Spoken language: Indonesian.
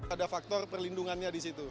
ada faktor perlindungannya